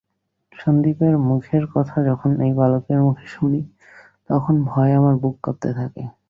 সন্দীপের মুখের কথা যখন এই বালকের মুখে শুনি তখন ভয়ে আমার বুক কাঁপতে থাকে।